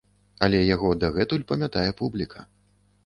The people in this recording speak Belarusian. Але яго дагэтуль памятае публіка.